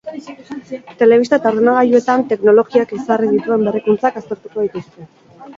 Telebista eta ordenagailuetan teknologiak ezarri dituen berrikuntzak aztertuko dituzte.